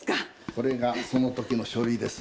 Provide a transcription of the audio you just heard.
これがそのときの書類です。